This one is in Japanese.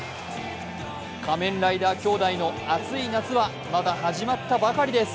仮面ライダー兄弟の熱い夏はまだ始まったばかりです。